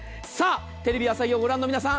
テレビ朝日をご覧の皆さん